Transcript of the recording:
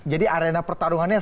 jadi arena pertaruhannya